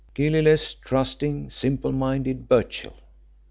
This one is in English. Guileless, trusting, simple minded Birchill!